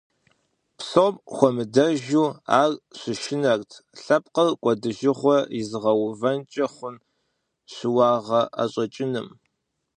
Псом хуэмыдэжу ар щышынэрт лъэпкъыр кӀуэдыжыгъуэ изыгъэувэнкӀэ хъун щыуагъэ ӀэщӀэкӀыным.